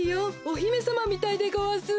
おひめさまみたいでごわす。